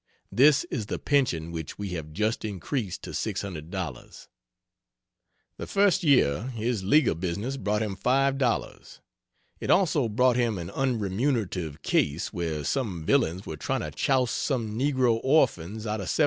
This is the pension which we have just increased to $600. The first year his legal business brought him $5. It also brought him an unremunerative case where some villains were trying to chouse some negro orphans out of $700.